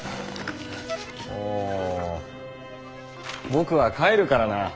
もう僕は帰るからな。